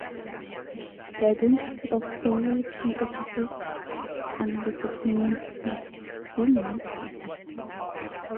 The identity of several key officers under the captain has been well established.